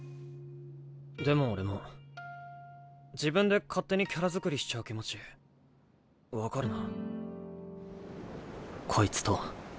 でも俺も自分で勝手にキャラ作りしちゃう気持ち分かるな。